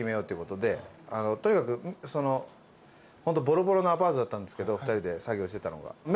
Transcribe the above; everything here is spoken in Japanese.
とにかくホントボロボロのアパートだったんですけど２人で作業してたのが。